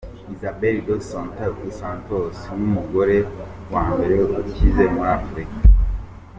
Isabel Dos Santos, nk’umugore wa mbere ukize muri Africa.